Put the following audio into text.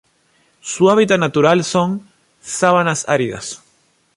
Su hábitat natural son: sabanas áridas.